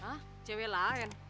hah cewek lain